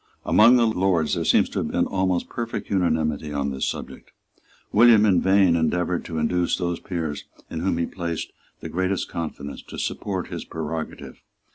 Among the Lords there seems to have been almost perfect unanimity on this subject. William in vain endeavoured to induce those peers in whom he placed the greatest confidence to support his prerogative.